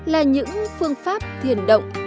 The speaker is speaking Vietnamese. là những phương pháp thiền động